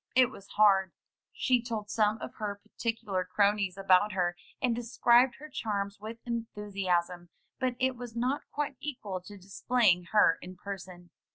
It was hard. She told some of her parti cular cronies about her, and described her charms with enthu siasm, but it was not quite equal to displaying her in person.